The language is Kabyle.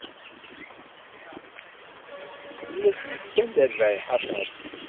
I ak-yefkan lerbayeḥ aṭas.